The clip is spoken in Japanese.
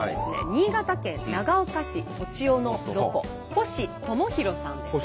新潟県長岡市栃尾のロコ星知弘さんです。